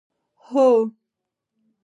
هو.